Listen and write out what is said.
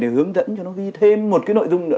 hướng dẫn cho nó ghi thêm một cái nội dung nữa